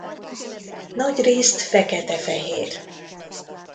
Nagyrészt fekete-fehér.